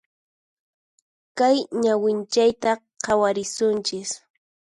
Kay ñawinchayta khawarisunchis.